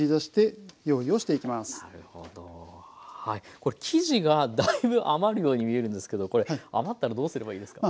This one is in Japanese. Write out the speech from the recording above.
これ生地がだいぶ余るように見えるんですけどこれ余ったらどうすればいいですか？